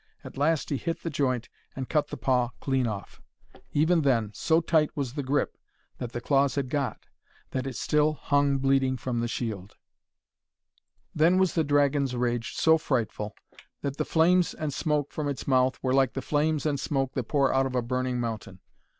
At last he hit the joint and cut the paw clean off. Even then, so tight was the grip that the claws had got, that it still hung bleeding from the shield. Then was the dragon's rage so frightful, that the flames and smoke from its mouth were like the flames and smoke that pour out of a burning mountain.